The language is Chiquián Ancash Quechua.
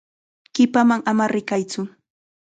Qipaman ama rikaytsu.